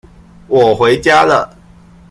我回家了